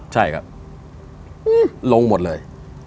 ใช่ครับลงหมดเลย